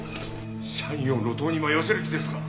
社員を路頭に迷わせる気ですか？